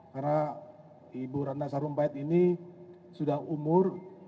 karena ibu ratna sarumpait ini sudah umur